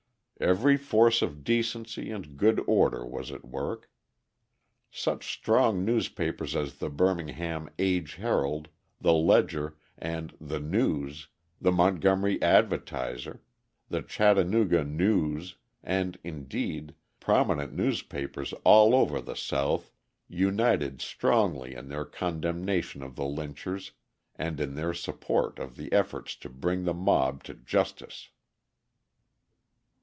Every force of decency and good order was at work. Such strong newspapers as the Birmingham Age Herald, the Ledger, and the News, the Montgomery Advertiser, the Chattanooga News, and, indeed, prominent newspapers all over the South united strongly in their condemnation of the lynchers and in their support of the efforts to bring the mob to justice.